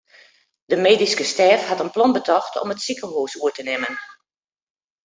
De medyske stêf hat in plan betocht om it sikehús oer te nimmen.